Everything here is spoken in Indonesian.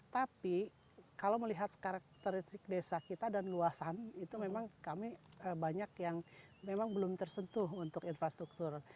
tapi kalau melihat karakteristik desa kita dan luasan itu memang kami banyak yang memang belum tersentuh untuk infrastruktur